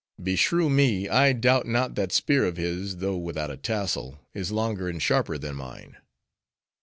Beshrew me, I doubt not, that spear of his, though without a tassel, is longer and sharper than mine."